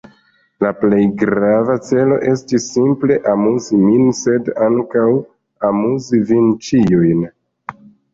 La plej grava celo estis simple amuzi min, sed ankaŭ amuzi vin ĉiujn.